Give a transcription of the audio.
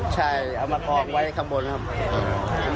ใช่เอามากองไว้ข้างบนครับ